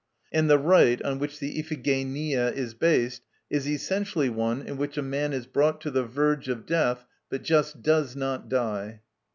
And the rite on which the Iphigenia is based is essentially one in which a man is brought to the verge of death but just does not die.